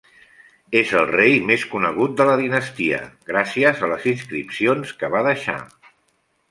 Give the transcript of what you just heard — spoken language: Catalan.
És el rei més conegut de la dinastia, gràcies a les inscripcions que va deixar.